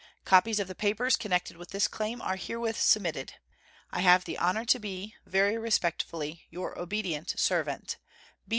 Copies of the papers connected with this claim are herewith submitted. I have the honor to be, very respectfully, your obedient servant, B.